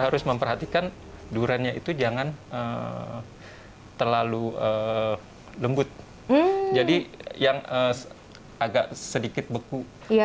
harus memperhatikan duriannya itu jangan terlalu lembut jadi yang agak sedikit beku